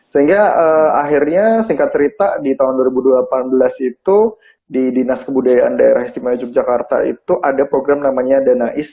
sehingga akhirnya singkat cerita di tahun dua ribu delapan belas itu di dinas kebudayaan daerah istimewa yogyakarta itu ada program namanya dana is